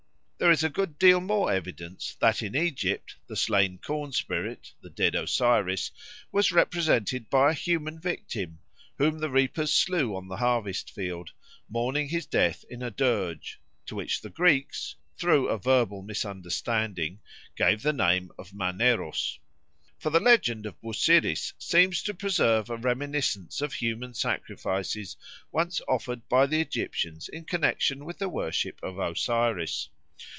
There is a good deal more evidence that in Egypt the slain corn spirit the dead Osiris was represented by a human victim, whom the reapers slew on the harvest field, mourning his death in a dirge, to which the Greeks, through a verbal misunderstanding, gave the name of Maneros. For the legend of Busiris seems to preserve a reminiscence of human sacrifices once offered by the Egyptians in connexion with the worship of Osiris.